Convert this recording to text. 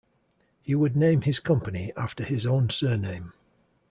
He would name his company after his own surname.